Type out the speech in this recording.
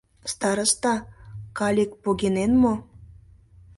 Староста, калик погинен мо?